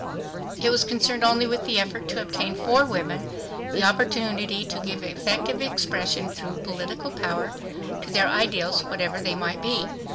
It was concerned only with the effort to obtain for women the opportunity to give effective expression, through political power, to their ideals, whatever they might be.